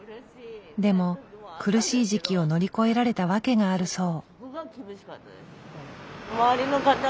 でも苦しい時期を乗り越えられた訳があるそう。